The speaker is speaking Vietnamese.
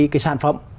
cái sản phẩm